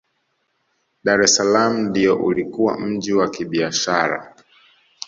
dr es salaam ndiyo ulikuwa mji wa kibiashara